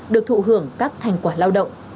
được thụ hưởng các thành quả lao động